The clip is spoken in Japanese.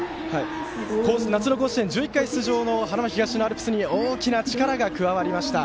夏の甲子園１１回出場の花巻東に大きな力が加わりました。